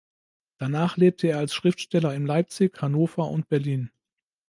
Danach lebte er als Schriftsteller in Leipzig, Hannover und Berlin.